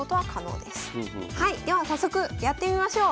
はいでは早速やってみましょう。